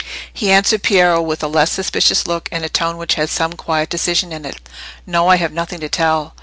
He answered Piero with a less suspicious look and a tone which had some quiet decision in it. "No, I have nothing to tell."